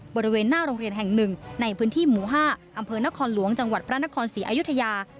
บริเวณหน้าโรงเรียนแห่งหนึ่งในพื้นที่หมู่๕อำเภอนครหลวงจังหวัดพระนครศรีอยุธยา